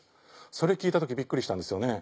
それ聞いた時びっくりしたんですよね。